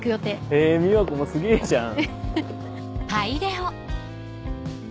え美和子もすげぇじゃん。